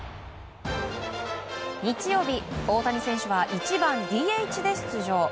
日曜日、大谷選手は１番ＤＨで出場。